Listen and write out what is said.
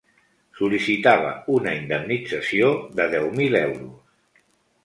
Sol·licitava una indemnització de deu mil euros.